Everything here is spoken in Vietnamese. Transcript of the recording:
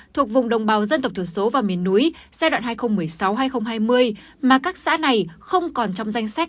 thuộc vùng đồng bào dân tộc thiểu số và miền núi giai đoạn hai nghìn một mươi sáu hai nghìn hai mươi mà các xã này không còn trong danh sách